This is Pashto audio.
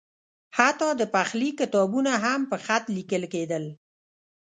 حتی د پخلي کتابونه هم په خط لیکل کېدل.